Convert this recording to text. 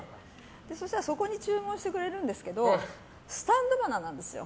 そしたらそこに注文してくれるんですけどスタンド花なんですよ。